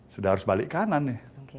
sudah harus balik kanan nih